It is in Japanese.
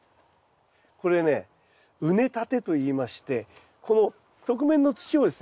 これね畝立てといいましてこの側面の土をですね